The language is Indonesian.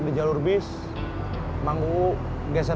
dipotonya di mana